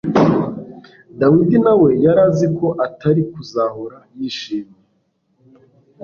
Dawidi na we yari azi ko atari kuzahora yishimye